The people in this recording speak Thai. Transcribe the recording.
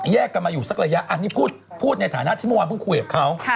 กันมาอยู่สักระยะอันนี้พูดในฐานะที่เมื่อวานเพิ่งคุยกับเขา